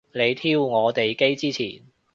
你挑我哋機之前